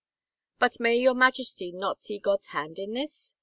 " But may your Majesty not see God's hand in this?